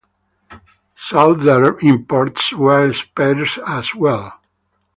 Southern imports were sparse as well.